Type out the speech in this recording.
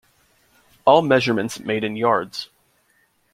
All measurements made in yards.